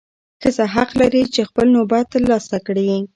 ښځه حق لري چې خپل نوبت ترلاسه کړي.